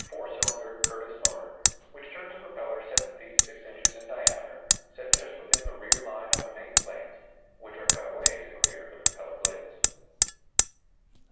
] The motive power is a 4 cylinder Curtiss motor, which turns a propeller 7 feet 6 inches in diameter, set just within the rear line of the main planes, which are cut away to clear the propeller blades.